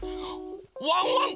ワンワン